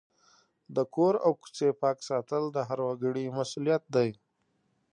د کور او کوڅې پاک ساتل د هر وګړي مسؤلیت دی.